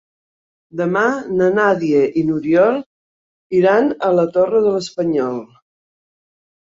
Demà na Nàdia i n'Oriol iran a la Torre de l'Espanyol.